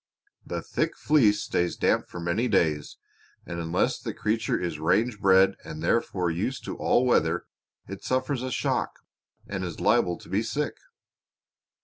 The thick fleece stays damp for many days, and unless the creature is range bred and therefore used to all weather it suffers a shock, and is liable to be sick.